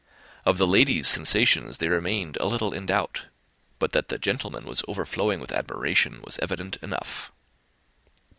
Of the lady's sensations they remained a little in doubt; but that the gentleman was overflowing with admiration was evident enough.